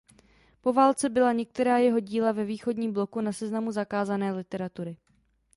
Po válce byla některá jeho díla ve Východním bloku na seznamu zakázané literatury.